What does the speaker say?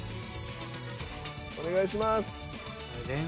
お願いします！